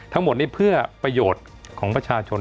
ทั้งหมดนี้เพื่อประโยชน์ของประชาชน